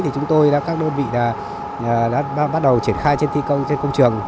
thì chúng tôi và các đơn vị đã bắt đầu thi công trên công trường